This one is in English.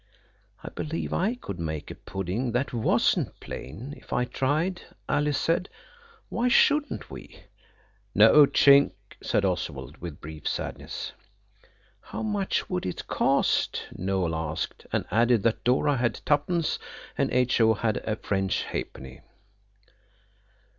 "I believe I could make a pudding that wasn't plain, if I tried," Alice said. "Why shouldn't we?" "No chink," said Oswald, with brief sadness. "How much would it cost?" Noël asked, and added that Dora had twopence and H.O. had a French halfpenny.